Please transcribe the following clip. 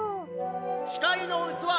「ちかいのうつわ」